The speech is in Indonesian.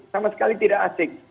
sama sekali tidak asik